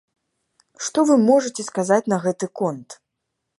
Што вы можаце сказаць на гэты конт?